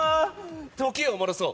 時を戻そう。